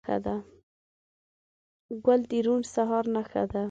ګل د روڼ سهار نښه ده.